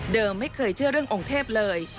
ไม่เคยเชื่อเรื่ององค์เทพเลย